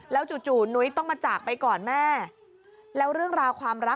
จู่นุ้ยต้องมาจากไปก่อนแม่แล้วเรื่องราวความรัก